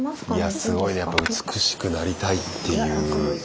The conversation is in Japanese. すごいねやっぱ美しくなりたいっていう気持ちは。